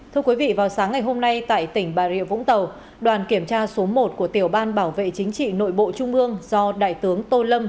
thưa quý vị vào sáng ngày hôm nay tại tỉnh bà rịa vũng tàu đoàn kiểm tra số một của tiểu ban bảo vệ chính trị nội bộ trung ương do đại tướng tô lâm